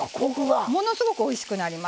ものすごくおいしくなります。